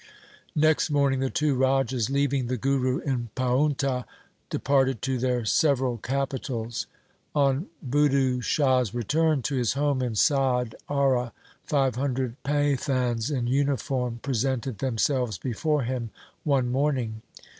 Next morning the two Rajas, leaving the Guru in Paunta, departed to their several capitals. On Budhu Shah's return to his home in Sadh aura five hundred Pathans in uniform presented themselves before him one morning.